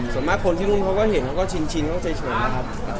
ส่วนมากคนที่นู่นเขาก็เห็นเขาก็ชินเขาก็เฉยนะครับ